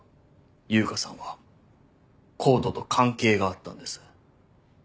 悠香さんはＣＯＤＥと関係があったんです。